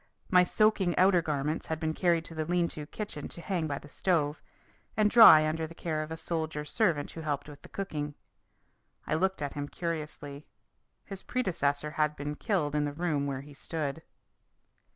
My soaking outer garments had been carried to the lean to kitchen to hang by the stove, and dry under the care of a soldier servant who helped with the cooking. I looked at him curiously. His predecessor had been killed in the room where he stood.